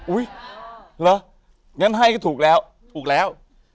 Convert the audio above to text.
เหรองั้นให้ก็ถูกแล้วถูกแล้ว